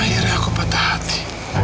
akhirnya aku patah hati